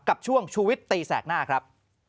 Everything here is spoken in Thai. กับช่วงชูวิตตีแสกหน้าครับ